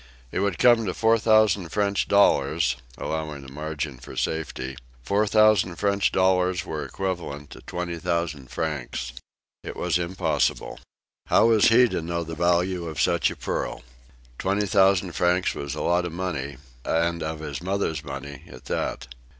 It would come to four thousand French dollars, allowing a margin for safety four thousand French dollars were equivalent to twenty thousand francs. It was impossible. How was he to know the value of such a pearl? Twenty thousand francs was a lot of money and of his mother's money at that.